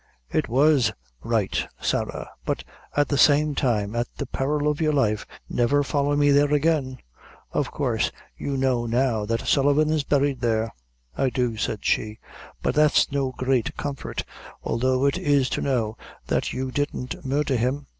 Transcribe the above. "It was right, Sarah; but at the same time, at the peril of your life, never folly me there again. Of coorse, you know now that Sullivan is buried there." "I do," said she; "but that's no great comfort, although it is to know that you didn't murdher him.